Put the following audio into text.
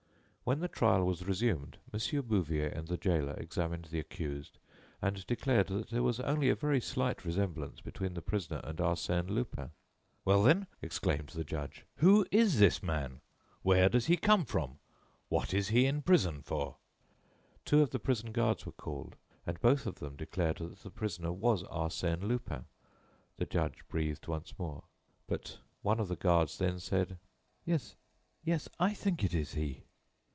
When the trial was resumed, Mon. Bouvier and the gaoler examined the accused and declared that there was only a very slight resemblance between the prisoner and Arsène Lupin. "Well, then!" exclaimed the judge, "who is this man? Where does he come from? What is he in prison for?" Two of the prison guards were called and both of them declared that the prisoner was Arsène Lupin. The judged breathed once more. But one of the guards then said: "Yes, yes, I think it is he."